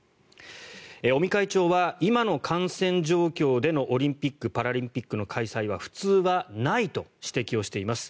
尾身会長は今の感染状況でのオリンピック・パラリンピックの開催は普通はないと指摘をしています。